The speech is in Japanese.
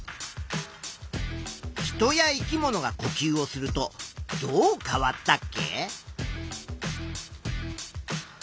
人や生き物がこきゅうをするとどう変わったっけ？